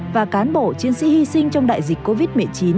và cán bộ chiến sĩ hy sinh trong đại dịch covid một mươi chín